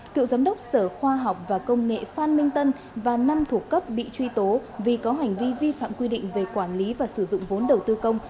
cựu giám đốc sở khoa học và công nghệ phan minh tân và năm thủ cấp bị truy tố vì có hành vi vi phạm quy định về quản lý và sử dụng vốn đầu tư công